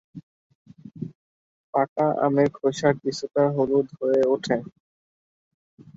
পাকা আমের খোসা কিছুটা হলুদ হয়ে ওঠে।